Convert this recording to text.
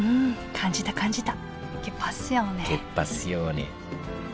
感じた感じた